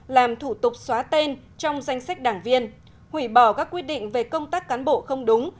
làm thủ tục xóa tên trong danh sách đảng viên hủy bỏ các quyết định về công tác cán bộ không đúng